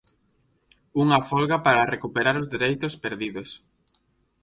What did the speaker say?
Unha folga para recuperar os dereitos perdidos.